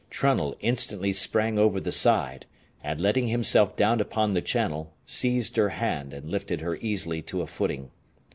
Trunnell instantly sprang over the side, and letting himself down upon the channel, seized her hand and lifted her easily to a footing.